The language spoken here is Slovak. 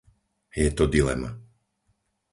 Je to dilema.